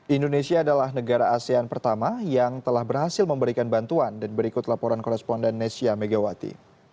indonesia adalah negara asean pertama yang telah berhasil memberikan bantuan dan berikut laporan koresponden nesya megawati